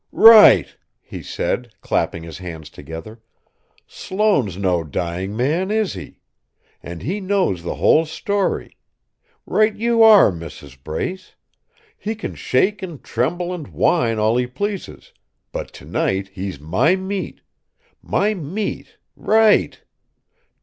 "Right!" he said, clapping his hands together. "Sloane's no dying man, is he? And he knows the whole story. Right you are, Mrs. Brace! He can shake and tremble and whine all he pleases, but tonight he's my meat my meat, right!